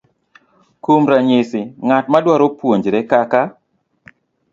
Kuom ranyisi, ng'at madwaro puonjre kaka